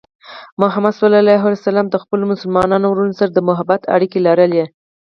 محمد صلى الله عليه وسلم د خپلو مسلمانو وروڼو سره د محبت اړیکې لرلې.